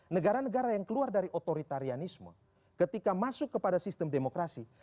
negara negara yang keluar dari otoritarianisme ketika masuk kepada sistem demokrasi